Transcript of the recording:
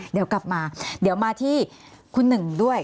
เดี๋ยวกลับมามาที่คุณหนึ่งด้วย